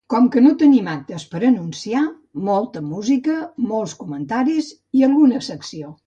Com que no tenim actes per anunciar, molta música, molts comentaris i alguna secció.